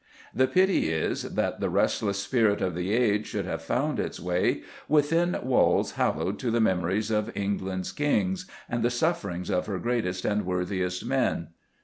The pity is that the restless spirit of the age should have found its way within walls hallowed to memories of England's kings, and the sufferings of her greatest and worthiest men.